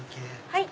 はい。